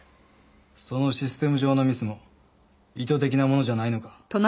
そのシステム上のミスも意図的なものじゃないのか？